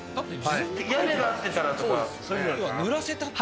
屋根が合ってたらとかそういうのじゃなく？